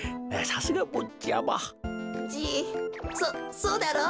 そそうだろう？